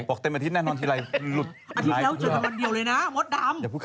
บอกเต็มอาทิตย์แน่นอนที่ไลก์